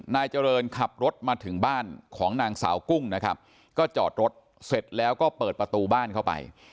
นายเจริญขับรถมาถึงบ้านของนางสาวกุ้งนะครับก็จอดรถเสร็จแล้วก็เปิดประตูบ้านเข้าไป